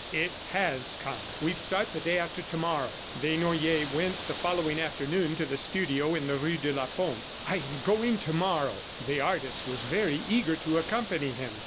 "It has come. ... We start the day after to morrow." Desnoyers went the following afternoon to the studio in the rue de la Pompe. "I am going to morrow!" The artist was very eager to accompany him.